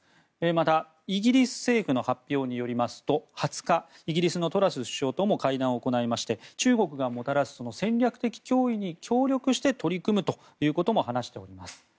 また、イギリス政府の発表によりますと２０日、イギリスのトラス首相とも会談を行いまして中国がもたらす戦略的脅威に協力して取り組むということも話しています。